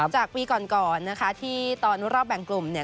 จากปีก่อนก่อนนะคะที่ตอนรอบแบ่งกลุ่มเนี่ย